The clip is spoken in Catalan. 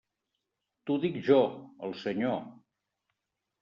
T'ho dic jo, el Senyor.